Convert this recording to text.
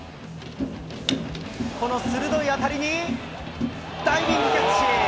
この鋭い当たりに、ダイビングキャッチ。